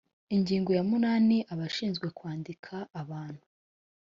ingingo ya munani abashinzwe kwandika abantu